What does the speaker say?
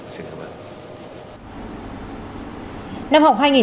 xin cảm ơn